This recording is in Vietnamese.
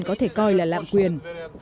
có thể coi là lạm quyền